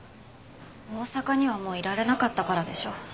大阪にはもういられなかったからでしょ。